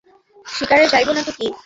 শিকারে যাইব না তো কী।